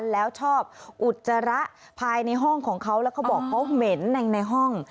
แล้วชอบอุจจาระภายในห้องของเขาแล้วเขาบอกเขาเหม็นในห้อง